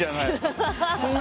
ハハハハ。